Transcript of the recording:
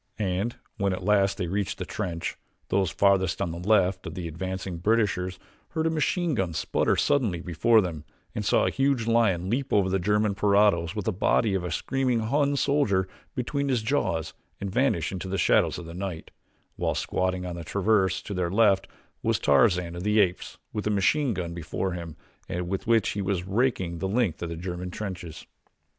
And when at last they reached the trench, those farthest on the left of the advancing Britishers heard a machine gun sputter suddenly before them and saw a huge lion leap over the German parados with the body of a screaming Hun soldier between his jaws and vanish into the shadows of the night, while squatting upon a traverse to their left was Tarzan of the Apes with a machine gun before him with which he was raking the length of the German trenches.